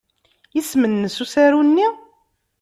Isem-nnes usaru-nni?